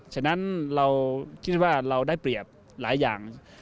ฉะนั้นเราคิดว่าเราได้เปรียบหลายอย่าง